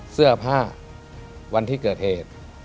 เสื้อผ้าวันที่เกิดเหตุ